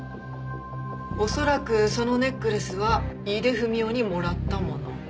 おそらくそのネックレスは井出文雄にもらったもの。